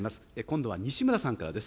今度は西村さんからです。